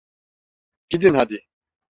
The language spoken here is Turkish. Gidin hadi.